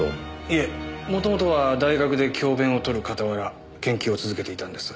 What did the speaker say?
いえもともとは大学で教鞭を執るかたわら研究を続けていたんです。